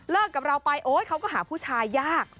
เลิกกับเราไปเขาก็หาผู้ชายยาก